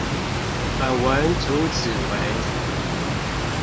本文主旨為